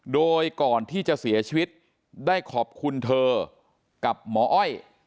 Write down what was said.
โดยก่อนที่จะเสียชีวิตได้ขอบคุณเธอกับหมออ้อย